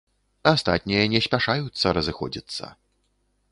Астатнія не спяшаюцца разыходзіцца.